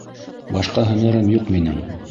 Башҡа һөнәрем юҡ минең.